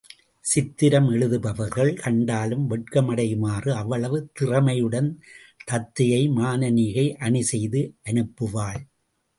சித்திரம் எழுதுபவர்கள் கண்டாலும் வெட்கமடையுமாறு அவ்வளவு திறமையுடன் தத்தையை மானனீகை அணி செய்து அனுப்புவாள்.